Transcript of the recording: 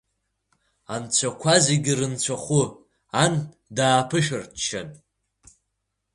Анцәақәа зегьы рынцәахәы Ан дааԥышәрыччан…